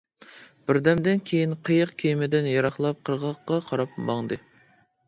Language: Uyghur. بىردەمدىن كېيىن قېيىق كېمىدىن يىراقلاپ قىرغاققا قاراپ ماڭدى.